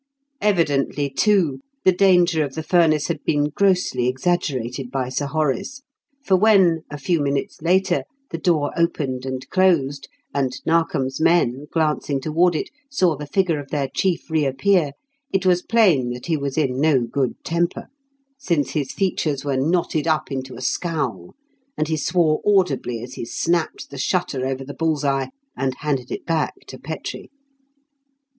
Evidently, too, the danger of the furnace had been grossly exaggerated by Sir Horace, for when, a few minutes later, the door opened and closed, and Narkom's men, glancing toward it, saw the figure of their chief reappear, it was plain that he was in no good temper, since his features were knotted up into a scowl, and he swore audibly as he snapped the shutter over the bull's eye and handed it back to Petrie.